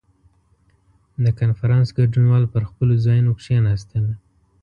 • د کنفرانس ګډونوال پر خپلو ځایونو کښېناستل.